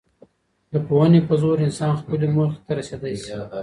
د پوهني په زور انسان خپلي موخې ته رسېدی سي.